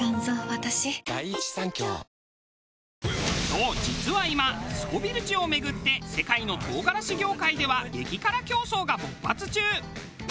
そう実は今スコヴィル値をめぐって世界の唐辛子業界では激辛競争が勃発中！